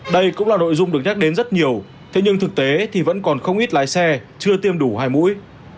đây cũng là nội dung được nhắc đến rất nhiều thế nhưng thực tế thì vẫn còn không ít lái xe chưa tiêm đủ hai mũi